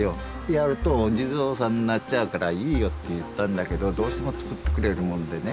やるとお地蔵さんになっちゃうからいいよって言ったんだけどどうしても作ってくれるもんでね。